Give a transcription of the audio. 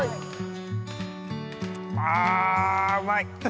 あうまい！